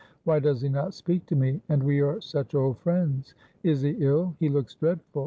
Why does he not speak to me, and we are such old friends? Is he ill? He looks dreadful.